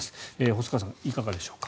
細川さん、いかがでしょうか。